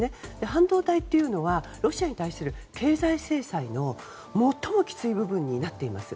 半導体っていうのはロシアに対する経済制裁の最もきつい部分になっています。